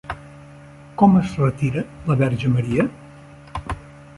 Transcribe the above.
Com es retira la Verge Maria?